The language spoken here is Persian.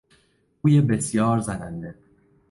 بوی بسیار زننده